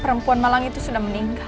perempuan malang itu sudah meninggal